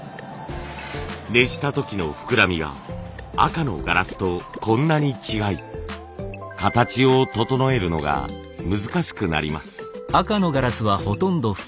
熱した時の膨らみが赤のガラスとこんなに違い形を整えるのが難しくなります。